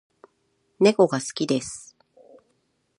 猫が好きです